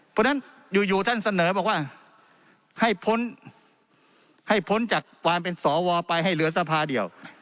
เพราะฉะนั้นอยู่ท่านเสนอบอกว่าให้พ้นให้พ้นจากความเป็นสวไปให้เหลือสภาเดียว